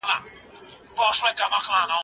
زه اوږده وخت د کتابتون پاکوالی کوم!.